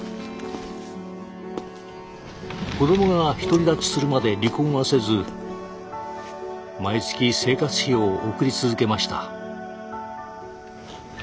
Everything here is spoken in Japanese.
子どもが独り立ちするまで離婚はせず毎月生活費を送り続けました。